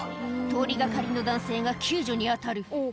通りがかりの男性が救助に当たる。